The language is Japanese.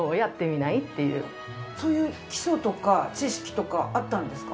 そういう基礎とか知識とかあったんですか？